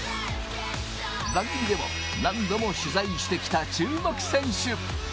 番組でも、何度も取材してきた注目選手。